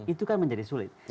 itu kan menjadi sulit